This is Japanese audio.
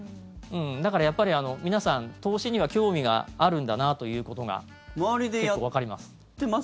だから、やっぱり皆さん投資には興味があるんだなということが結構わかります。